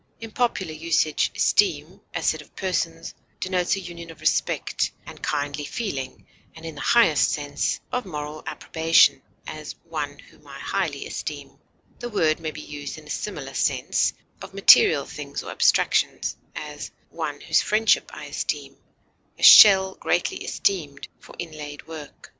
In popular usage esteem, as said of persons, denotes a union of respect and kindly feeling and, in the highest sense, of moral approbation; as, one whom I highly esteem; the word may be used in a similar sense of material things or abstractions; as, one whose friendship I esteem; a shell greatly esteemed for inlaid work.